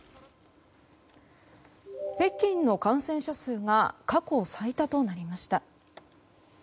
北京の感染者数が過去最多となりました。